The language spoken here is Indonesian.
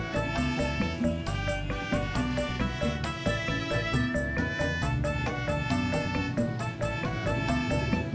ya terima kasih bang